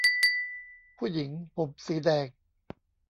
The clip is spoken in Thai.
ผู้หญิงผมสีแดง